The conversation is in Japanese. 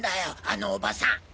あのおばさん！